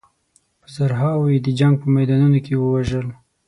په زرهاوو یې د جنګ په میدانونو کې ووژل.